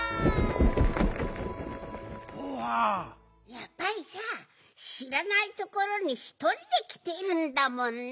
やっぱりさしらないところにひとりできてるんだもんね。